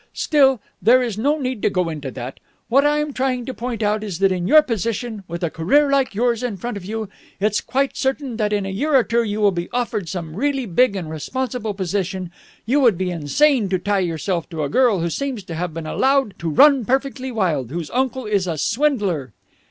Still, there is no need to go into that. What I am trying to point out is that in your position, with a career like yours in front of you it's quite certain that in a year or two you will be offered some really big and responsible position you would be insane to tie yourself to a girl who seems to have been allowed to run perfectly wild, whose uncle is a swindler...."